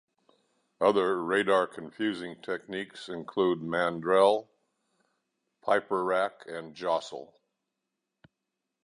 Other radar-confusing techniques included Mandrel, Piperack and Jostle.